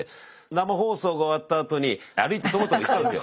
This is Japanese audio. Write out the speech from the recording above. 生放送が終わった後に歩いてとぼとぼ行ってたんですよ。